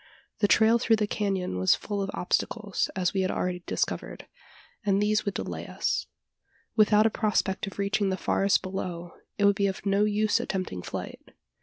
The trail through the canon was full of obstacles, as we had already discovered and these would delay us. Without a prospect of reaching the forest below it would be of no use attempting flight.